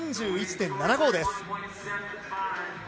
３１．７５です。